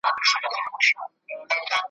تښتولی له شته منه یې آرام وو `